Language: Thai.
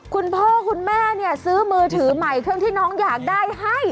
คุณพ่อคุณแม่เนี่ยซื้อมือถือใหม่เครื่องที่น้องอยากได้ให้